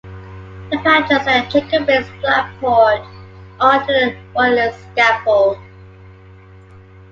The patriots and Jacobins’ blood poured onto the royalist scaffold.